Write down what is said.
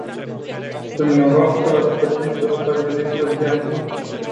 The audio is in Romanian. Dvs. ar trebui să stabiliți agenda.